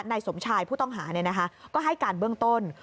นายสมชายผู้ต้องหาเนี่ยนะคะก็ให้การเบื้องต้น